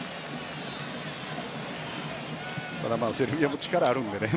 ただ、セルビアも力があるのでね。